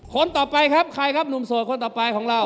คนต่อไปครับใครครับหนุ่มโสดคนต่อไปของเรา